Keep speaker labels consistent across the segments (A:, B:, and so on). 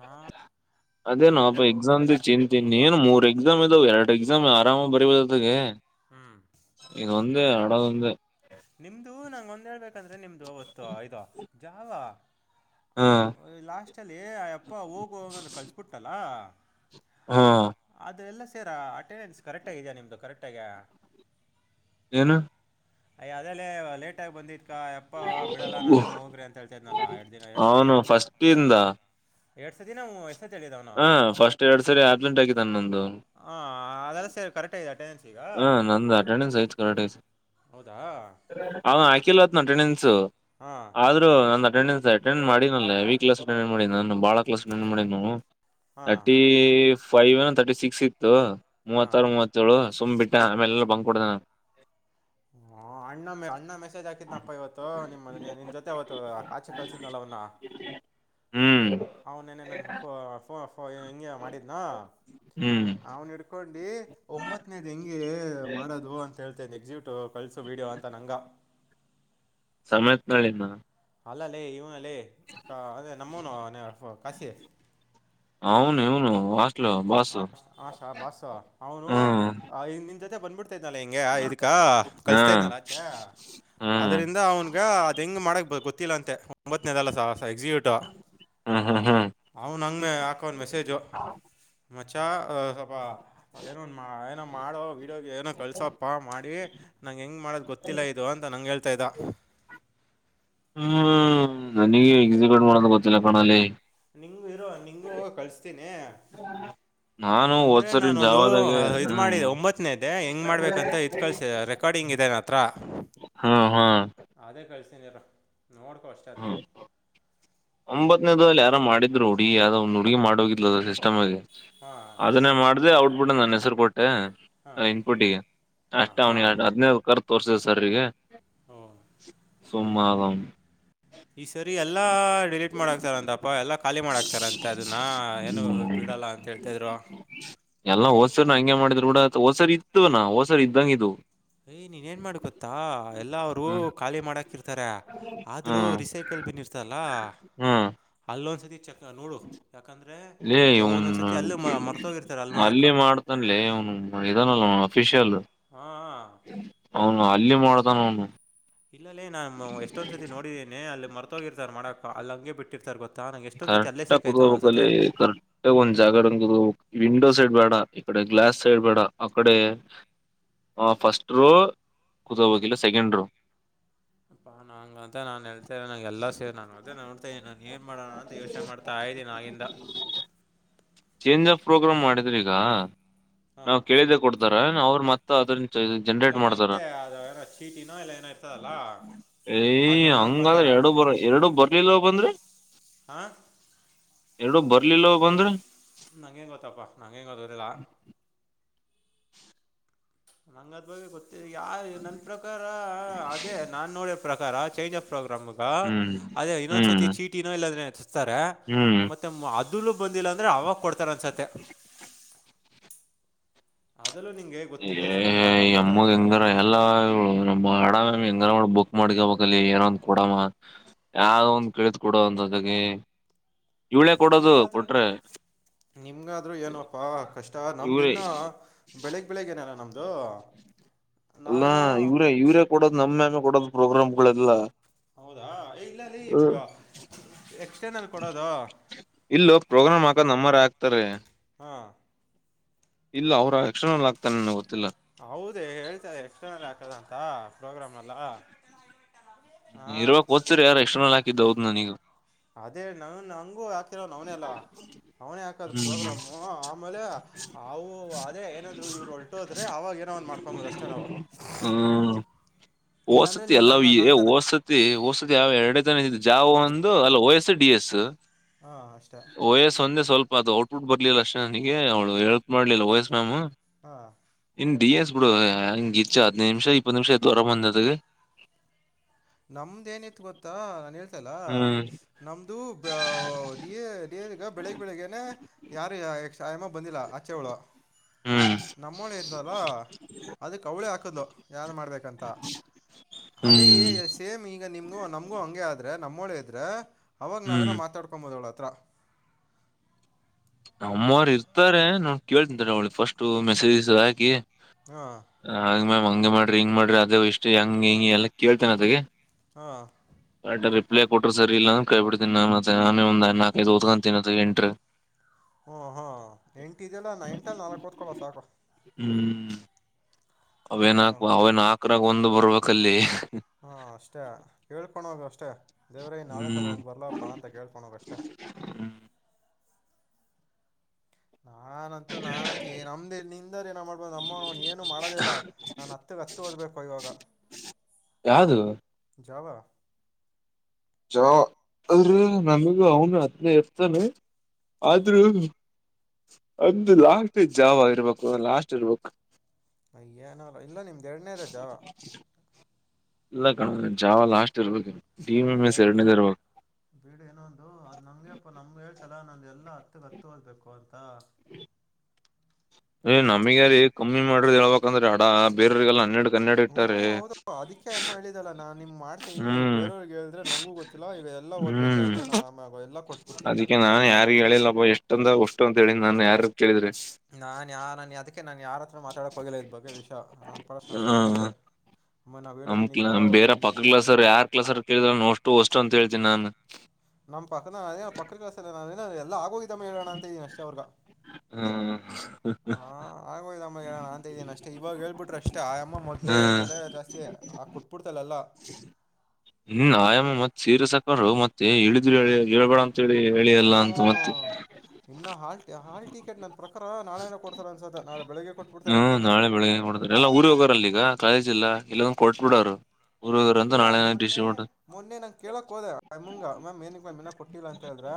A: ಹಾ
B: ಅದೇ [unintelligible] ಎಕ್ಜಾಮ್ದೇ ಚಿಂತಿ ಇನೇನು ಮೂರ್ ಎಕ್ಸಾಮ್ ಇದಾವ ಎರಡ್ ಎಕ್ಸಾಮ್ ಆರಾಮಗ್ಬರಿಬೊದ್ ಅತೆಗೆ
A: ಹ್ಮ್
B: ಇಗ ಒಂದೆ ಹಡದು ಒಂದೆ
A: ನಿಮ್ದು ನಂಗ್ ಒಂದ್ ಹೇಳ್ಬೇಕಂದ್ರೆ ನಿಮ್ದು ಅವತ್ತು ಇದು ಜಾವ
B: ಹಾ
A: ಲಾಸ್ಟ ಅಲ್ಲಿ ಅಯಪ್ಪ ಹೋಗುಹೊಗು ಅಂತ ಕಳ್ಸಬಿಟ್ಟಲ್ಲ
B: ಹಾ
A: [unintelligible] ಅಟೆಂಡೆನ್ಸ್ ಕರೆಕ್ಟಗಿದಿಯಾ ನಿಮ್ದು ಕರೆಕ್ಟ್ ಆಗಿ
B: ಏನು
A: ಅಯ ಅದೇಲೆ ಲೇಟ್ ಆಗಿ ಬಂದಿತ್ತ್ [unintelligible] ಎಪ್ಪ ಬಿಡಲ್ಲ ನಾನು ಹೋಗ್ರಿ ಅಂತ ಹೇಳ್ತಾ ಇದ್ನಲ್ಲ ಎರಡ್ ದಿನ ಎರಡ್ ಸತಿ
B: ಅವನು ಫಸ್ಟ್ ಇಂದ
A: ಎರ್ಡ್ ಸತಿನಾ [unintelligible]
B: ಹ ಫಸ್ಟ್ ಎರಡ್ ಸರಿ ಆಬ್ಸೆಂಟ್ ಆಕಿದಾನ್ ನಂದು
A: ಹಾ ಅದೆಲ್ಲ ಸರಿ ಕರೆಕ್ಟ್ [unintelligible]
B: ಹಾ ನಂದ್ ಅಟೆಂಡೆನ್ಸ ಐತ್ [unintelligible] [unintelligible]
A: ಹೌದಾ
B: ಅಟೆಂಡೆನ್ಸು
A: ಹಾಂ
B: ಆದ್ರೂ [unintelligible] ಅಟೆಂಡೆನ್ಸು ಅಟೆಂಡ್ ಮಾಡಿನಲ್ಲೆ [unintelligible] ಅಟೆಂಡ್ ಮಾಡಿ ನಾನು ಬಾಳ ಕ್ಲಸ್ ಅಟೆಂಡ್ [unintelligible]
A: ಹಾಂ
B: ತರ್ಟಿ ಫೈವ್ ಏನೊ ತರ್ಟಿ ಸಿಕ್ಸ್ ಇತ್ತು
A: ಹಾಂ
B: ಮೂವತ್ತಾರು ಮೂವತ್ತೇಳು ಸುಮ್ ಬಿಟ್ಟ ಆಮೇಲೆಲ್ಲ ಬಂಕ್ ವಡ್ದವ್ನೆ
A: ಹಾ ಅಣ್ಣ ಅಣ್ಣ ಮೆಸೇಜ್ ಹಾಕಿದ್ನಪ್ಪ ಇವತ್ತು ನಿಮ್ಮ ನಿನ್ ಜೊತೆ ಅವತ್ತು ಆಚೆ ಕಳ್ಸಿದ್ನಲ್ಲ [unintelligible]
B: ಹ್ಮ್
A: ಅವನ್ ನೆನ್ನೆ ನಂಗ್ [unintelligible] ಹಂಗೆ ಮಾಡಿದ್ನ
B: ಹ್ಮ್
A: ಅವ್ನ್ ಹಿಡ್ಕೊಂಡ್ [unintelligible] ಒಂಬತ್ತನೇದು ಹೆಂಗೆ ಮಾಡೋದು ಅಂತ [unintelligible] [unintelligible] ಕಳಸು ವಿಡಿಯೋ ಅಂತ ನಂಗ
B: ಸಮೇತ್ [unintelligible]
A: ಅಲ್ಲಲೆ ಇವ ಲೆ ಅದೇ ನಮ್ಮೂನು ಕಾಸಿ
B: ಅನ್ವ್ ಇನ್ವು
A: ಆಶಾ ಬಾಸ್ ಅವನು
B: ಹ್ಮ್
A: ನಿನ್ ಜೊತೆ ಬಂದ [unintelligible] [unintelligible] ಹಿಂಗ ಇದಕ್ಕ
B: ಹಾ
A: ಕಲ್ಸ್ತಾ ಇದ್ನಲ್ಲ ಆಚೇ
B: ಹ್ಮ್
A: ಆದರಿಂದ ಅವನ್ಗ ಅದೆಂಗ್ ಮಾಡಕ್ ಗೊತ್ತಿಲ್ಲ ಅಂತೆ ಒಂಬತ್ತನೇದಲ್ಲ ಸ [unintelligible] ಎಕ್ಸಿಕ್ಯೂಟ
B: ಹ್ಮ್ ಹ್ಮ್ ಹ್ಮ್
A: ಅವನು [unintelligible] ಹಾಕವ್ನೆ ಮೆಸೇಜು ಮಚ್ಚ ಸ್ವಲ್ಪ [unintelligible] ಮಾಡೋ ವಿಡಿಯೋ ಏನೋ ಕಳ್ಸೋಪ್ಪಾ ಮಾಡಿ ನಂಗೆ ಹೆಂಗ್ ಮಾಡೋದ್ ಗೊತ್ತಿಲ್ಲ ಇದು ಅಂತ ನಂಗ್ ಹೇಳ್ತಾ ಇದ್ದ [unintelligible]
B: ಹ್ಮ್ ನಿಗೆ ಎಕ್ಸಿಕ್ಯೂಟ್ ಮಾಡೋದು ಗೊತ್ತಿಲ್ಲ ಕಣಲೆ
A: ನಿಂಗು ಇರೋ ನಿಂಗು ಕಳಸ್ತೀನಿ
B: ನಾನು
A: ಅಂದ್ರೆ
B: ಹೋದ್ಸರಿ
A: ನಾನೊಂದು
B: ಜಾವದಾಗೆ
A: ಇದ್
B: ಹ್ಮ್
A: ಮಾಡಿದೆ ಒಂಬತ್ತನೇದೆ ಹೆಂಗ್ ಮಾಡ್ಬೇಕಂತ ಇದ [unintelligible] [unintelligible] ಇದೇ ನನ್ನತ್ರ
B: ಹಾ ಹಾ
A: ನಿನಗ ನೋಡ್ಕೋ ಅಷ್ಟ ಅದನ [unintelligible]
B: ಕ್ಲೀನ ಅದು ಯಾರೋ ಮಾಡಿದ್ರು ಹುಡುಗಿ ಯಾವದ ಒಂದು ಹುಡುಗಿ ಮಾಡ ಹೋಗಿದಲ್ಲ ಸಿಸ್ಟಮ್ಗೆ
A: ಹಾಂ
B: ಅದನ್ನೇ ಮಾಡ್ದೆ ಅವ [unintelligible] ಬುಡ ನನ್ನ ಹೆಸರ ಕೊಟ್ಟೆ
A: ಹಾಂ
B: ನಾ ಇಟ್ಟ ಬುಟ್ಟಿ
A: ಹಾಂ
B: ನೆಕ್ಸ್ಟ್ ಅವ್ನ
A: ಹಾಂ
B: ಅದನ ಉತಾರ ತೋರ್ಸಿದೆ ಸರ್ ಗೇ [unintelligible]
A: ಹ [unintelligible]
B: ಸುಮ್ಮ ಆದಾವ. [unintelligible]
A: ಈ ಸರಿ ಎಲ್ಲಾ ಡಿಲೀಟ್ ಮಾಡಕ್ತಾರಂತಪ್ಪ ಎಲ್ಲಾ ಖಾಲಿ ಮಾಡಾಕ್ತಾರಂತೆ ಅದನ್ನ ಏನು ಬಿ [unintelligible]
B: ಹ್ಮ್
A: ಇಲ್ಲ ಅಂತ ಹೇಳ್ತ ಇದ್ರು. [unintelligible]
B: ಎಲ್ಲಾ ಹೋಸರ [unintelligible] ಇದರ ಬೀಡ ಹೊಸರ್ ಇತ್ತು ನಾ ಹೊಸರ್ ಇದ್ದಂಗ ಇದು [unintelligible]
A: ರೀ ನೀನ್ ಏನ್ ಮಾಡ ಗೊತ್ತಾ ಎಲ್ಲ ಅವರು
B: ಹ್ಮ್
A: ಖಾಲಿ ಮಾಡಾಕಿರ್ತ [unintelligible] ರೆ ಆದ್ರೂ ರಿಸೈಕಲ್ ಬಿನ್ ಇರ್ತಲ್ಲ
B: ಹ್ಮ್
A: ಅಲ್ಲೊಂದ್ಸತಿ. [unintelligible] ನೋಡು ಯಾಕಂದ್ರೆ
B: ಲೇ
A: ಯಾವ
B: ಇವ್ನು
A: ಒಂದೊಂದ್ಸತಿ ಅಲ್ಲ ಮರ್ತೋಗಿರ್ತಾರೆ ಅಲ್ ಮಾಡಕ್ಕ.
B: ಅಲ್ಲಿ
A: [unintelligible]
B: ಮಾಡ್ತನ್ಲೇ ಅವನು ಇದಾನಲ್ಲ ಅವ ಅಫಿಷಿಯಲ್
A: ಹಾಂ
B: ಅವನು ಅಲ್ಲಿ ಮಾಡ್ತಾನ ಅವನು. [unintelligible]
A: ಇಲ್ಲಲೇ ನಾನು ಎಷ್ಟೊಂದ್ಸ ಸತಿ ನೋಡಿದೀನಿ ಅಲ್ಲಿ ಮರತೋಗಿರ್ತಾರ ಮಾಡಕ್ ಅಲ್ಲಿ ಹಂಗೆ ಬಿಟ್ಟಿರ್ತಾರ ಗೊತ್ತ. [unintelligible]
B: ಕರೆಕ್ಟ ಕುದಕೋಬೇಕಲ್ಲಿ ಕರೆಕ್ಟ ಒಂದ್ ಜಾಗ ಹಿಡ್ಕೊಂಡ ಕೂತಕೋಬೇಕು ವಿಂಡೋ ಸೈಡ ಬೇಡ? [unintelligible] ಇಕಡೆ ಗ್ಲಾಸ್ ಸೈಡ್ ಬಡ ಅಕ್ಕಡೆ. [unintelligible] ಹಾ ಫಸ್ಟ್ ರೋ ಕೂತಕೋಬೇಕು ಇಲ್ಲ ಸೆಕೆಂಡ್ ರೋ. [unintelligible]
A: ಪ್ಪಾನಾ ಹಾಂಗ್ ಅಂತ ನಾ ಹೇಳ್ತೇನೆ ನಂಗೆಲ್ಲಾ ಸೇರ ನಾನು ಅದೇ ನಾ ನೋಡತ್ತಾ ಇದೇನ್ ಏನ್ ಮಾಡೋದ [unintelligible] ಅಂತ ಯೋಚನೆ ಮಾಡ್ತಾ ಇದ್ದೀನ ಆಗಿಂದ. [unintelligible]
B: ಚೇಂಜ್ ಆಫ್ ಪ್ರೋಗ್ರಾಮ್ ಮಾಡಿದ್ರ ಈಗ ನಾವ
A: ಹಾಂ
B: ಕೇಳಿದೆ ಕೊಡ್ತಾರ ಅವರು ಮತ್ತೆ ಅದರ [unintelligible]
A: ಇಲ್ಲ ಮತ್ತೆ ಅದು ಏನೋ ಚೀಟಿನೋ ಇಲ್ಲ ಏನೋ ಇರ್ತದಲ್ಲ ಅದು
B: ಏಯ್
A: ನೋಡ್ಕೊಂತಾರ.
B: ಹಂಗಾದ್ರೆ
A: [unintelligible]
B: ಎರಡು ಬೋರ್ ಎರಡು ಬರ್ಲಿಲ್ಲವ ಬಂದ್ರೆ. [unintelligible]
A: ಹಾ [unintelligible]
B: ಎರಡು ಬರ್ಲಿಲ್ಲವ ಬಂದ್ರೆ. [unintelligible]
A: ನಂಗೇನು ಗೊತ್ತಪ್ಪ ನಂಗೇನು ಗೊತ್ತಿಲ್ಲ ಹಂಗ್ ಅದವರಿಗೆ ಗೊತ್ತ ಯಾ ನನ್ನ ಪ್ರಕಾರ ಅದೇ ನಾನ್ ನೋಡಿದ ಪ್ರಕಾರ ಚೇಂಜ್ ಆಫ [unintelligible] ಪ್ರೋಗ್ರಾಮ್ ಬೇಕಾ
B: ಹ್ಮ್
A: ಅದೇ ಇನ್ನೊಂದ್ಸತಿ
B: ಹ್ಮ್
A: ಚಿಟ್ಟಿನೂ ಇಲ್ಲ ಆದರೆ ಸಿಕ್ತರಾ
B: ಹ್ಮ್
A: ಮತ್ತೆ ಮ ಅದ [unintelligible] ಇದಲು ಬಂದಿಲ್ಲ ಅಂದ್ರೆ ಅವಾಗ ಕೊಡ್ತಾರೆ ಅನ್ಸತ್ತೆ. [unintelligible] ಅದಲ್ಲೂ ನಿಮಗೆ ಗೊತ್ತಿಲ್ಲದೆ ಸಿಕ್ಕಿದ್ರೆ
B: ಏ
A: ಅವಾಗ ಕೊಡ್ತಾರೆ
B: ಎಮ್ಮಗ
A: ಅನ್ಸತ್ತೆ
B: ಹೆಂಗಾರ ಎಲ್ಲ ಬಾಡಾಮಿ ಇಂದ ಬುಕ್ ಮಾಡಕೊಬೇಕು. [unintelligible] ಅಲ್ಲಿ ಏನೋ ಕೊಡಮ್ಮ ಯಾವ ತಿಳಿದ ಕೂಡ ಒಂದದಾಗಿ. [unintelligible] ಇವಳೇ ಕೊಡೋದು ಕೊಟ್ರೆ. [unintelligible]
A: ನಿಮ್ಮಗ ಆದರೂ ಏನಪ್ಪಾ ಕಷ್ಟ ನಮ್ಗ
B: ಇವ್ರೇ
A: ಇನ್ನ ಬೆಳಿಗ್ಗೆ ಬೆಳಿಗ್ಗೆ ಏನಾರ ನಮ್ದ. [unintelligible] ಹಲೋ? [unintelligible]
B: ಅಲ್ಲಾ ಇವ್ರೇ ಇವ್ರೇ ಕೊಡೋದು ನಮ್ಮ ಮ್ಯಾಗ ಬಿಡೋದ ಪ್ರೋಗ್ರಾಮ್ ಗಳೆಲ್ಲ [unintelligible]
A: ಹೌದಾ ಇಲ್ಲಾ ಲೇ ಇಬ್ಬರ ಎಕ್ಸ್ಟ್ರಾ ನಲ್ ಕೊಡೋದು. [unintelligible]
B: ಇಲ್ಲ ಪ್ರೋಗ್ರಾಮ್ ಹಾಕದ ನಮ್ಮರೇ ಆಗ್ತಾರೆ. [unintelligible]
A: ಹಾ [unintelligible]
B: ಇಲ್ಲ ಅವ್ರ ಎಕ್ಸ್ಟರ್ನಲ್ ಆಗ್ತಾನೆ ನಂಗ್ ಗೊತ್ತಿಲ್ಲ. [unintelligible]
A: ಹೌದೇ ಹೇಳ್ತಾರೆ ಎಕ್ಸ್ಟರ್ನಲ್ ಹಾಕದ ಅಂತ ಪ್ರೋಗ್ರಾಮ್ ಅಲ್ಲಾ. [unintelligible]
B: ಇರೋ ಹೋದ ಯಾರೋ ಎಕ್ಸ್ಟರ್ನಲ್ ಹಾಕಿದ್ದ್ ಹೌದ ನನೀಗ [unintelligible]
A: ಅದೇ ನಾವ ನಂಗು ಹಾಕತಿರೋ ಅವ್ನೆಲ್ಲ. [unintelligible] ಅವನೇ ಹಾಕೋದ್
B: ಹ್ಮ್
A: ಪ್ರೋಗ್ರಾಮು ಆಮೇಲೆ ಅವು ಅದೇ ಏನಂದ್ರು ಇವ್ರು ಹೊಲ್ಟೋದ್ರೆ ಅವಾಗ [unintelligible] ಏನ ಒಂದ್ ಮಾಡ್ಕೊಬೋದ ಅಷ್ಟೇ ನಾವು. [unintelligible]
B: ಹ್ಮ್
A: ಇಲ್ಲಾಂದರೆ
B: ಓಸತಿ
A: ನೀನು
B: ಎಲ್ಲ
A: ನನ್ನ ನಂತರ
B: ಓಸತಿ ಓಸತಿ ಯಾವ ಎರಡ [unintelligible] ನನಗ ಇದ್ದಿದ್ದ ಜಾವ ಒಂದು ಅಲ್ಲ ಓ ಎಸ್ ಡಿ ಎಸ್
A: ಹಾಂ ಅಷ್ಟೇ
B: ಓ ಎಸ್ ಒಂದೇ ಸ್ವಲ್ಪ [unintelligible] ಅದು ಔಟ್ಪುಟ್ ಬರ್ಲಿಲ್ಲ ಅಷ್ಟೇ ನನಗೆ ಅವ್ಳು ಹೆಲ್ಪ್ ಮಾಡ್ಲಿಲ್ಲ ವಯಸ್ ಮ್ಯಾಮ್. [unintelligible]
A: ಹಾ [unintelligible]
B: ಡಿ ಎಸ್ ಬಿಡು ಹೆಂಗ ಗಿಚ್ಚ ಹದ್ ನಿಮಿಷ ಇಪ್ಪತ್ತು ನಿಮಿಷ ಎದ್ದ ಹೊರ ಬಂದದ [unintelligible]
A: ನಮ್ದ ಏನಿತ್ತು ಗೊತ್ತಾ ನಾನ ಹೇಳ್ತಲ್ಲ
B: ಹ್ಮ್
A: ನಮ್ದು ಬ್ಯಾಯ ಡಿಎ ಡಿಎ ದಾಗ [unintelligible] ಬೆಳಿಗ್ಗೆ ಬೆಳಿಗ್ಗೆನೆ ಯಾರು ಯಾ ಎಮ್ಮಾ ಬಂದಿಲ್ಲ ಆಚ್ಚೆ ಅವಳು
B: ಹ್ಮ್
A: [unintelligible] ನಮ್ಮ ಅವಳೇ ಇದ್ದಲ್ಲಾ? [unintelligible] ಅದಕ್ಕೆ ಅವಳೇ ಹಾಕಿದ್ಲು ಏನು ಮಾಡಬೇಕಂತ ಅದೇ ಏ
B: ಹ್ಮ್
A: ಎಸ್ ಈಗ ನಿಮ್ಗೂ ನಮಗೂ ಹಂಗೆ ಆದ್ರೆ ನಮ್ಮ್ಳ ಇದ್ರೆ ಅವಾಗ
B: ಹ್ಮ್
A: ನಾವೇನೋ ಮಾತಾಡ್ಕೋಬಹುದು ಹತ್ತಿರ
B: ಅಮ್ಮರು ಇರ್ತಾರೆ ನೋ ಕೇಳ್ತಂತಾರೆ ಅವಳಿ ಫಸ್ಟ್ ಮೆಸೇಜಸ್ ಹಾಕಿ
A: ಹ್ಮ್
B: ಹಂಗ ಮ್ಯಾಮ್ ಹಂಗ ಮಾಡ್ರಿ ಹಿಂಗ ಮಾಡ್ರಿ ಅದೇ ಇಷ್ಟ ಹೆಂಗ ಹಿಂಗ ಎಲ್ಲ ಕೇಳ್ತೇನೆ ಅದಗೆ
A: ಹಾ
B: ಲೇ ಕೊಟರು ಸರಿ ಇಲ್ಲ ಅದರೆ ಕೈ ಬಿಡ್ತೀನಿ ನಾನೆ ನಾಕೈದು ಓದುತೇನಿ ಅದು ಎಂಟರಿ
A: ಹ್ಮ ಹಾ ಎಂಟ್ಯಲ್ಲ ನಾ ಎಂಟಲ್ಲಿ ನಾಲ್ಕು ತ್ಕೊೊಳ್ಳ ಸಾಕು ಹಾಂ
B: ಅವೇನ ನಾಲ್ಕು ಅವೇ ನಾಲ್ಕು ರಲ್ಲಿ ಒಂದು ಬರಬೇಕು ಅಲ್ಲಿ
A: ಹಾ ಅಷ್ಟೇ ಕೇಳ್ಕೊಳ ಹೋಗ ಅಷ್ಟೇ ದೇವ್ರೈ ನಾಲ್ಕಲ್ಲಿ
B: ಹ್ಮ್
A: ಒಂದ್ ಬರ್ಲಪ್ಪಾ ಅಂತ ಕೇಳ್ಕೊಳೋಗಷ್ಟೆ ನಾ ಂತ ನಾನ ನಮ್ದ ನಿಂದ ಏನ ಮಾಡ್ಬ ಅಮ್ಮ ಏನು ಮಾಡೋದಿಲ್ಲಲ್ಲ ನಾನ್ ಹತ್ತಗ್ ಹತ್ತು ಓದ್ಬೇಕುಯವ ಕೋಗ
B: ಯಾವದು ಚಾ ಅದ್ರಿ ನಮಗ ಅವನು ಹದನೇ ಎರ್ತಾನಿ ಆದ್ರೂ ಅದು ಲಾಸ್ಟ್ ಎಕ್ಸಾಮ್ ಆಗಿರ್ಬೇಕು ಲಾಸ್ಟ್ ಇರ್ಬೇಕು
A: ಅಯ್ಯಏನಾರ ಇಲ್ಲ ನಿಮ್ದ್ ಎರಡನೇದ ಜಾವ
B: ಇಲ್ಲ ಕಣೋ ಜಾವ ಲಾಸ್ಟ್ ಇರ್ಬದ
A: ಬಿಡಿ ಏನೋ ಒಂದು ಬಿಡು ಏನೋ ಒಂದು ಅದ್ ನಮಗೆ ಅಪ್ಪ ನಮ್ಗ ಹೇಳ್ತ ಲ್ಲಾ ನಂದ ಎಲ್ಲಾ ಹತ್ತು ಗತ್ತು ಓದ್ಬೇಕು ಅಂತ
B: ಏ ನಮಗಾರೀ ಕಮ್ಮಿ ಮಾಡ್ರ ಹೇಳ್ಬಂದ್ರ ಹಡ ಬೇರರಿಗೆಲ್ಲಾ ಹನ್ನೆರಡ್ ಕನ್ನಡ
A: ಹ್ಞೂ
B: ಇಟ್ಟಾರ
A: ಹೌದು ಅದಕ್ಕೆ ಅಮ್ಮ ಹೇಳಿದ ಅಲ್ಲ ನಾ ನಿಮ್ ಮಾಡ್ತೀನಿ ನೀವು
B: ಹ್ಮ್
A: ಬೇರವ್ರಿಗೆಗ ಹೇಳಿದ್ರೆ ನಂಗೂ ಗೊತ್ತಿಲ್ಲ ಇವ ಎಲ್ಲ
B: ಹ್ಮ್
A: ಓದ್ಬೇಕಾಗತ್ತೆ ನ
B: ಅದಕ್ಕೆ ನಾನ್ ಯಾರಿಗೆ ಹೇಳಿಲ್ಲಬ್ ಎಷ್ಟಂದ ಅಷ್ಟು ಅಂತ ಹೇಳಿ ನನ್ನಯಾರ ಕೇಳಿದ್ರು
A: ನಾನು ಯ ನಾನು ಅದಕ್ಕೆ ನಾನು ಯಾರ ಹತ್ರ ಮಾತಾಡೋಕ್ಕೆ ಹೋಗಿಲ್ಲ ಇದ ಬಗ್ಗೆ ವಿಷಯ ನಾನ ಪಾಡಿಗೆ ಅಷ್ಟ ನಾನು ಸುಮ್ಮನೆ
B: ಹ್ಮ
A: ಇದ್ದೆ ಅಮ್ಮ ನಾವು
B: ನಮ್ ಕಲ
A: ಹೇಳೋದೀನಿಕ್ಕ
B: ಬೇರೆ ಪಕ್ಕ ಕ್ಲಾಸ್ರ್ ಯಾರ್ ಕ್ಲಾಸ್ರು ಕೇಳಿದ ಅಷ್ಟು ಅಷ್ಟು ಅಂತ ಹೇಳ್ತನಿ ನಾನ್
A: ನಮ್ ಪಕ್ಕದ ಅದೇ ಪಕ್ಕ ಕೆಲಸಲ್ಲ ಅದೇ ಎಲ್ಲ ಆಗೋಗಿದ್ದ ಮ ಹೇಳೋಣ ಅಂತಿದನಿ ಅಷ್ಟೇ ಅವ್ರಗ
B: ಹ್ಮ್
A: ಹಾ ಆಗೋಯ್ದಮ್ಮಗೆಾರ ನಾನ್ಂತ ಇದ್ದೇನೆ ಅಷ್ಟೇ ಇವಾಗ ಹೇಳ್ಬಿಟ್ಟು ಅಷ್ಟೇ ಆಯಾಮ ಮೊದ್ಲೆೇ
B: ಹ್ಮ್
A: ತಲೆ ಜಾಸ್ತಿ ಆ ಕುಟ್ಬಿಡ್ತಲೆ ಅಲ್ಲ
B: ಹ್ಮ ಆಯಾಮ ಮತ್ತತ್ ಸೀರೆ ಸಾಕರು ಮತ್ತೆ ಇ ಹೇಳಿದ್ರು ಹೇಳ ಹೇಳ್ಬೇಡ ಅಂತ ಹೇಳಿ ಹೇಳಿ ಅಲ್ಲ ಅಂತ ಮತ್ತೆ
A: ಇನ್ನ ಹಾಲ್ಟ ಹಾಲ್ ಟಿಕೆಟ್ ನನ್ನ ಪ್ರಕಾರ ನಾಳೆನ ಕೊಡ್ತಾರೆ ಅನ್ಸತ ನಾಳೆ ಬೆಳಗ್ಗೆ ಕೊಟ್ಬಿಡ್ತಾರೆ
B: ಹ್ಮ್
A: ಅನ್ಸತ್ತೆ
B: ನಾಳೆ ಬೆಳಿಗ್ಗೆ ನೋಡ್ತಾರೆ ಎಲ್ಲ ಊರಿಗೆ ಹೋಗಾರಲ್ಲಲ್ಲಿ ಈಗ ಕಾಲೇಜ್ಿಲ್ಲಲ್ಲ
A: ಹಾ ಇಲ್ಲ
B: ನಾಳೆ
A: ಮೊನ್ನೆ
B: ಡಿಸ್ಟ್ರಿಬ್ಯೂಟ್
A: ಮೊನ್ನೆ ನಂ ಕೇಳಕ್ ಹೋದೆ ಂಗ ಮ್ ಮಾಮ ಏನಕ್ಕ ಮಾಮ ಇನ್ನೂ ಕೊಟ್ಟಿಲ್ಲ ಅಂತ ಹೇಳದ್ರ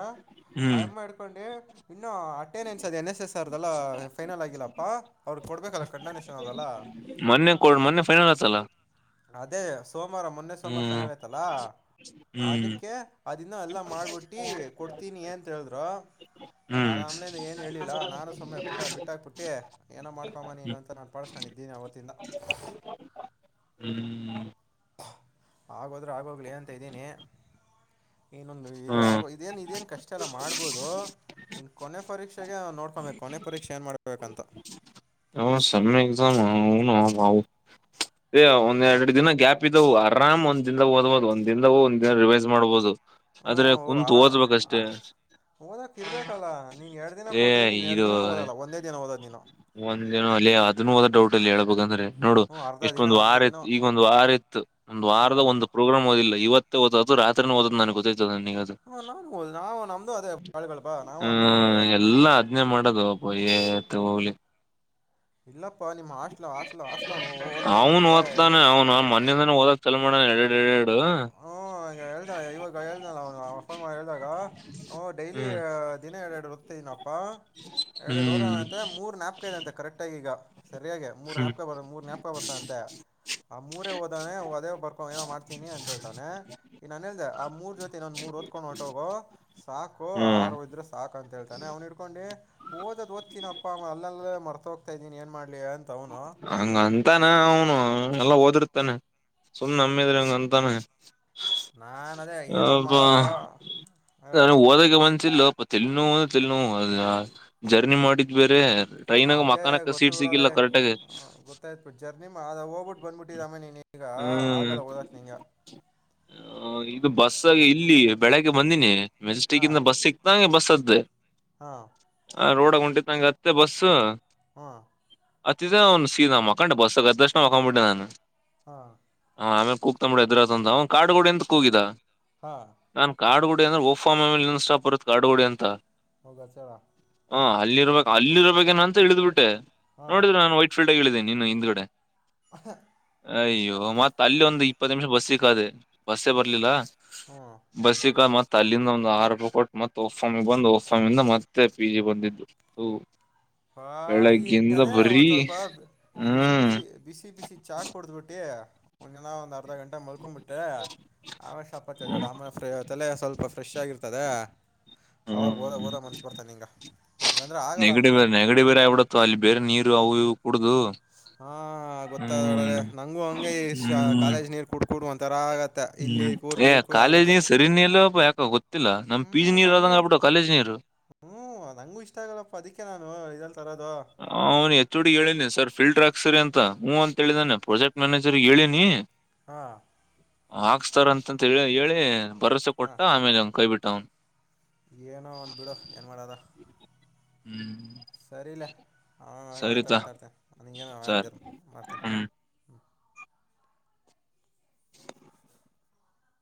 B: ಹ್ಮ್
A: ಅಮ್ಮ ಹಡ್ಕೊಂಡಿ ಇನ್ನು ಅಟೆಂಡೆನ್ಸ್ ಅದು ಎನ್ ಎಸ್ ಎಸ್ ಆರ್ದೆಲ್ಲ ಫೈನಲ್ ಆಗಿಲ್ಲಪ್ಪಾ ಅವ್ರಿಗೆ ಕೊಡ್ಬೇಕಲ್ಲ ಕಣ್ಣನಿಷನ್ ಅದಲ್ಲ
B: ಮೊನ್ನೆ ಕೊಡ್ ಮೊನ್ನೆ ಫೈನಲ್ ಆತಲ್ಲ
A: ಅದೇ ಸೋಮವಾರ ಮೊನ್ನೆ ಸೋಮವಾರ
B: ಹ್ಮ್
A: ಫೈನಲ್ ಆಯ್ತಲ್ಲಾ
B: ಹ್ಮ್
A: ಅದಕ್ಕೆ ಅದನ್ನ ಎಲ್ಲ ಮಾಡ್ಬಿಟ್ಟು ಕೊಡ್ತೀನಿ ಅಂತ ಹೇಳಿದ್ರ ಅ
B: ಹ್ಮ್
A: ಆಮ್ಲೆ ಏನು ಹೇಳಿಲ್ಲ ನಾನು ಸುಮ್ಮನೆುಟ್ಟ ಬಿಟ್ಟಾ ಪ ಬಿಟ್ಟಿ ಏನೋ ಮಾಡ್ಕೊಂಬನಿ ಏ
B: ಹ್ಮ್
A: ಅಂತ ನಾನು ಪಳಸ್ ಇದ್ದಿನ ಅವವತ್ತಿಂದ
B: ಹ್ಮ್
A: ಆಗೋದ್ರೆ ಆಗೋಗ್ಲಿ ಅಂತ ಇದ್ದೀನಿ ಇನೊಂದು ಇದು ಆಗೋ ಇದೇನ್ ಇದೇನ್ ಕಷ್ಟ ಅಲ್ಲ ಮಾಡ್ಬೋದು ಇನ್ ಕೊನೆ ಪರೀಕ್ಷೆಗೆ ನೋಡ್ಕೊಬೇಕು ಕೊನೆ ಪರೀಕ್ಷೆ ಏನ್ ಮಾಡ್ಬೇಕಂತ
B: ಹ ಸ ಎಸಾಮ್ ಹನು ಏ
A: ಅದು
B: ಒಂದ್ೆರಡು ದಿನ ಗ್ಯಾಪ್ ಇದ್ದಾವವು ಆರಾಮ್ ಒಂದ ದಿನದಾಗ ಓದ್ಬಹುದು ಒಂದ ದಿನದಾಗ ಒಂದ ದಿನ ರಿವೈಸ್ ಮಾಡ್ಬಹುದು
A: ಹ್ಮ ಆರಾಮ ಓದಕ ಇರ್ಬೇಕಲ್ಲ
B: ಏ ಇದು
A: ದಿನ ಓದೋದು ನೀನು
B: ಒಂದಿನ ಅಲ್ಲಿ ಅದನ್ನುದ ಡೌಟ್ ಲ್ಲಿ ಹೇಳಬೇಕ ಅಂದ್ರೆ ನೋಡು
A: ಹ್ಞೂ ಅರ್ಧ
B: ಎಷ್ಟೊ
A: ದಿನ
B: ಒಂದು
A: ಅರ್ಧ
B: ವಾರ
A: ದಿನ
B: ಇತ್ತು ಈಗ ಒಂದ್ ವಾರ ಇತ್ತು ಒಂದ್ ವಾರದ
A: ಹಾಂ
B: ಒಂದು ಪ್ರೋಗ್ರಾಮ್ ಓದಿಲ್ಲ ಇವತ್ತು ಹಓದದು ರಾತ್ರಿ ಓದ ನನ್ಕೋ ದು
A: ಹ್ಞೂ ನಾನು ನಾವು ನಮ್ಮದು ಅದೇ ಬಾಳ್ಗಳಪ್ಪ ನಾವು
B: ಹಾ
A: ಹಂಗೆ ಮಾಡೋದು
B: ಎಲ್ಲಾ ಅದ್ನೇ ಮಾಡೋದು ಅಬ ತ್ ಹೋಗ್ಲಿ
A: ಇಲ್ಲಪ್ಪ ನಿಮ್ ಹಾಸ್ಟ್ಲ್ ಹಾಸ್ಲ್ ಹಾಸ್ಲವನುಓದ್ತವನಂತೆ ಎಡೇ
B: ಚಲ್ ಮಾಡೋ ಎರಡು ಎರಡು
A: ಹ್ಞೂ ಈಗ ಹೇಳ್ದಾನ ಇವಾಗ ಹೇಳ್ದಾನ ಅವನು ಫೋನ್ ಮಾಡಿ ಹೇಳ್ದಾಗ ಹ್ಞೂ ಡೈಲಿ
B: ಹ್ಮ್
A: ದಿನ ಎರಡೆರಡು ಇನಪ್ಪಾ ಎರಡೆರಡು ೋರ್
B: ಹ್ಮ್
A: ಅಂತ ಮೂರ್ ನನ್ಯಪ್ಕೈ ಇದೆ ಅಂತೆ ಕರೆಕ್ಟ ಆಗಿ ಈಗ ಸರಿಯೆ ಮೂರ್
B: ಹ್ಮ್
A: ನೆಾಪಕ ಬರ್ ಮೂರ್ ನನ್ಾಪಕ ಬರ್ತಂತೆ ಆ ಮೂರೇ ಹೋದಾನೆ ಹದೇ ಬರ್ಕೋ ಏನೋ ಮಾಡ್ತ ಅಂತ ಹೇತಾನೆ ಈ ನಾನನ್ ಹೇಳಿದೆ ಆ ಮೂರ್ ಜೊತೆ ನಂದ ಮೂರ್ ಒಓದ್ಕೊಂಡ್ ಹೊಟ್ಟೋಗು ಸಾಕು
B: ಹ್ಮ್
A: ಆರು ಇದ್ರ ಸಾಕ ಅ ಹೇತಾನೆ ಅವ್ನ್ ಇಡ್ಕೊಂಡಿ ಓದ ಓದ್ತನಪ್ಪಾ ಅಲ್ಲಲ್ಲ ಮರ್ತ ಹೋಗ್ತಾ ಇದೀನಿ ಏನ್ ಮಾಡ್ಲಿ ಅಂತ ಅವನು
B: ಹಂಗ ಅಂತಾನ ಅವನು ಎಲ್ಲ ಓದಿರ್ತಾನೆ ಸುಮ್ ನಮ್ಮಿದ್ರಿ ಹಂಗ ಅಂತಾನ
A: ನಾನ್ ಅದೇ ಏನವನ್ ಮಾಡಪ್ಪ ಹೇಳ
B: ತಲ್ಲಿ ನೋವು ಅ ತಲ್ಲಿ ನೋವು ಅ ಜರ್ನಿ ಮಾಡಿದ್ ಬೇರೆ ಟ್ರೈನ್ಾಗ ಮಾನಕ್ಕ ಸೀಟ್ ಸಿಕ್ಕಿಲ್ಲ ಕರೆಕ್ಟಾಗಿ
A: ಗೊತ್ತಾಯ್ತ್ ಬಿಟ್ಟ ಜರ್ನಿ ಅ ಹೋಗ್ಬಿಟ್ಟು ಬಂದ್ಬಿಟ್ಟಿದಮ್ಮೇ ನೀನ್ ಈಗ
B: ಹ್ಮ್
A: ಆಗಲ್ಲ ಓದಕ್ ನಿಗ ಹಾ
B: ಇದು ಬಸ್ಗ ಇಲ್ಲಿ ಬೆಳಗ್ಗೆ ಬಂದಿನಿ ಮೆಜೆಸ್ಟಿಕ್ ಇಂದ ಬಸ್ ಸಿಕ್ತಂಗೆ ಬಸ್ ಅತ್ತ್ದೆ
A: ಹಾ
B: ಆ ರೋಡ ಉಂಟಿತ್ತುಂಗೆ ಅತ್ತೆ ಬಸ್
A: ಹಾಂ
B: ಅತ್ತ್ ಸೀ ನಮ್ಮ ಮಕೊಂಡೆ ಬಸ್ ಅದಕ್ಷಣ ಹಕೊಂಬಿಟ್ಟೆ ನಾನು
A: ಹಾ
B: ಆೇಲೆ ಕೂತಂಬಡ ಇದದ್ರ ಅವ ಕಾಡು ಗೊಡಿ ಎಂತ ಕೂಗಿದ
A: ಹಾಂ
B: ನಾನನ್ ಕಾಡು ಅಂದ್ರ ಓಫ ಮೇಲೆ ಸ್ಟಾಪ್ ಬರುತ್ತೆ ಆಡುಗೋಡೆ ಅಂತ
A: ಹೋಗ ಚಳ
B: ಹ ಅಲ್ಲಿ ಇರ್ಬೇಕು ಅಲ್ಲಿ ಇರಬೇಕೇಏ ಅಂತ ಇಳಿದ್ ಬಿಟ್ಟ
A: ಹಾಂ
B: ನೋಡ್ರೆ ನಾನು ನೀನ್ನು ಹಿಂದ್ಗಡೆ
A: ಹ
B: ಅಯ್ಯೋ ಮತ್ತ ಅಲ್ಲಿ ಒಂದು ಇಪ್ಪತ್ತು ನಿಮಿಷ ಬಸ್ ಸಿಕ್ಕದೆೆ ಬಸ್ಸೇ ಬರ್ಲಿಲ್ಲ
A: ಹ್ಞೂ
B: ಬಸಿ ಕ ಮತ ಅಲ್ಲಿಂದ ಒಂದು ಆಹಾರಪ ಕೊಟ್ಟು ಮತ್ತೆ ಫಾಮಿ ಬಂದು ಫಾಮಿಂದ ಮತ್ತೆ ಪಿ ಜಿ ಬಂದಿದ್ದು
A: ಹ
B: ಬೆಳಗ್ಗಿಂದ
A: ಅದೇ
B: ಬರೀ
A: ಒಂದ್ ಸ್ವಲ್ಪ ಬಿಸಿ
B: ಹ್ಮ್
A: ಬಿಸಿ ಬಿಸಿ ಬಿಸಿ ಚಾ ಕೊಡತ್ ಬಿಟ್ಟೆ ಒಂದ್ ಜನ ಒಂದು ಅ ಅರ್ಧ ಗಂಟೆ ಮಲ್ಕೊಂಬಿಟ್ಟೆ ಆಷಪತ್ತಜೋಳ ಆಮೇಲೆರ ತಲೆ ಸ್ವಲ್ಪಫ್ರೆಶ್ ಆಗಿರ್ತದೆ ಅವಾಗ ಹಓದ
B: ಹ್ಮ್
A: ಹಓದ ಮನ್ಸ್ ಬರ್ತ ನಿಂಗ ಇಲ್ಲಂದ್ರೆ ಆಗಲ್ಲ ಆಮೇಲೆ
B: ಬೇ ಬೇರೆ ಆಡತ್ತ ಅಲ್ಲಿ ಬೇರೆ ನೀರು ಅವು ಕುಡು
A: ಹಾ ಗೊತ್ತಾದ ಒಳ್ಳ ನಂಗೂ ಹಂಗೆ ಈ
B: ಹ್ಮ್
A: ಕಾಲೇಜ್ ನೀರ್ ಕುೂಡ್ಕಡು ಒಂಂತರ ಆಗ
B: ಹ್ಮ್ ಏ ಕಾಲೇಜಿಗೆ ಸರಿನ್ ಎಲ್ಲ ಯಾಕ ಗೊ
A: ಹ್ಮ್ ನಂಗೂ ಒಂತ ಹ್ಮ್ ನಂಗೂ ಇಷ್ಟ ಆಗಲ್ಲಪ್ಪ ಅದಿಕ್ಕೆ ನಾನು ಇದಲ್
B: ಅವ್ನು ಎತ್ತ ಹಡು ಹೇಳಿದಿನಿ ಸರ್ ಫಿಲ್ಡರ್ ಆ ಸರಿ ಅಂತ ಹ್ ಅಂತ ಹೇಳಿದಾನನೆ ಪ್ರಾಜೆಕ್ಟ್ ಮ್ಯಾನೇಜರ್ಗ್ ಹೇಳಿನಿ
A: ಹಾ
B: ಹಾಕ್ಸ್ತಾರಂತಂತ ಹೇಳಿ ಹೇಳಿ ಭರಸೆ ಕೊಟ್ಟ
A: ಹಾಂ
B: ಆಮೇಲೆ ಅವನ್ ಕೈ ಬಿಟ್ಟ ಅವನು
A: ಏನೋ ಒಂದು ಬಿಡು ಏನು ಮಾಡದ
B: ಹ್ಮ್
A: ಹಾ ಮ
B: ಸರಿತಾ
A: ಮಾತಾಡ್ತೆ
B: ಸರ್
A: ಹಂಗೇನುಳ್ತ ಮಾಡ್ತೀನಿ
B: ಹ್ಮ್